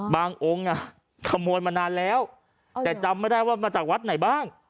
องค์ขโมยมานานแล้วแต่จำไม่ได้ว่ามาจากวัดไหนบ้าง